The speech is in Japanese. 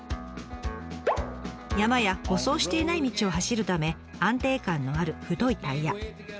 山や舗装していない道を走るため安定感のある太いタイヤ。